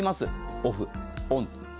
オフ、オンと。